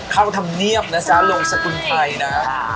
เข้าทำเนียบนะซะโรงสกุลไทยนะ